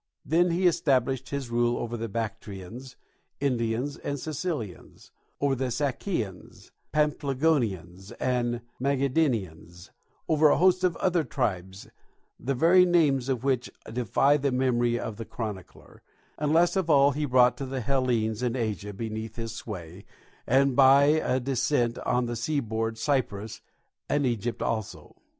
Then he established his rule over the Bactrians, Indians, and Cilicians, over the Sakians, Paphlagonians, and Magadidians, over a host of other tribes the very names of which defy the memory of the chronicler; and last of all he brought the Hellenes in Asia beneath his sway, and by a descent on the seaboard Cyprus and Egypt also.